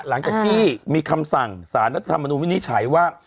หลังจากที่มีคำสั่งสารรัฐธรรมนุนวินิจฉัยว่า